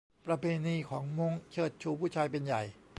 ประเพณีของม้ง เชิดชูผู้ชายเป็นใหญ่